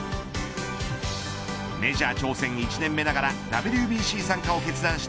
メジャー挑戦１年目ながらＷＢＣ参加を決断した